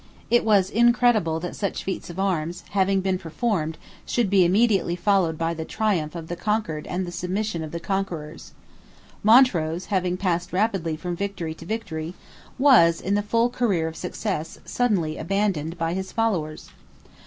It was incredible that such feats of arms, having been performed, should be immediately followed by the triumph of the conquered and the submission of the conquerors. Montrose, having passed rapidly from victory to victory, was, in the full career of success, suddenly abandoned by his followers.